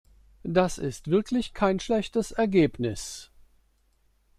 Das ist wirklich kein schlechtes Ergebnis.